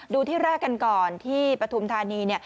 ดูที่แรกกันก่อนที่ปฐุมธานี